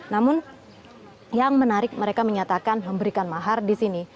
namun yang menarik mereka menyatakan memberikan mahar di sini